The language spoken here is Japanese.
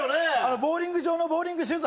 ボウリング場のボウリングシューズ